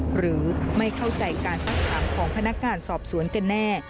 หรือไม่เข้าใจการสักถามของพนักงานสอบสวนกันแน่